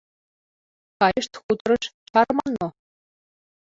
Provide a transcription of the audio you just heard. — Кайышт хуторыш, чарыман мо?